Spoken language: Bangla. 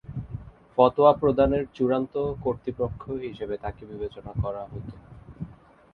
ফতোয়া প্রদানের চূড়ান্ত কর্তৃপক্ষ হিসেবে তাকে বিবেচনা করা হত।